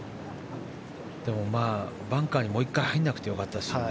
でも、バンカーにもう１回入らなくて良かったですね。